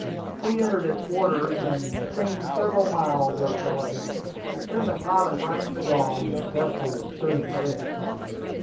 We entered its waters, and steamed several miles up the lake. Then the pilot rang the gong, and the vessel was soon at rest.